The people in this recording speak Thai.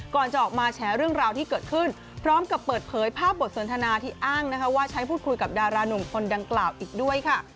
ก่อนจะออกมาแฉเรื่องราวที่เกิดขึ้นพร้อมกับเปิดเผยภาพบทสนทนาที่อ้างนะคะว่าใช้พูดคุยกับดารานุ่มคนดังกล่าวอีกด้วยค่ะ